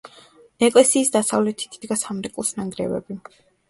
ეკლესიის დასავლეთით იდგა სამრეკლოს ნანგრევები.